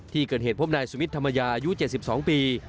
ที่เกิดเหตุพบนายสุมิทธรรมยาอายุ๗๒ปี